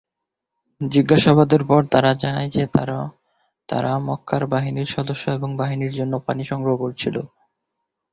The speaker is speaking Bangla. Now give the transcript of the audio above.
জিজ্ঞাসাবাদের পর তারা জানায় যে তারা মক্কার বাহিনীর সদস্য এবং বাহিনীর জন্য পানি সংগ্রহ করছিল।